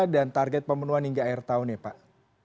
dan target pemenuhan hingga akhir tahun ya pak